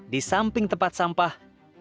di samping tempat sampah